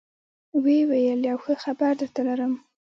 ويې ويل يو ښه خبرم درته لرم.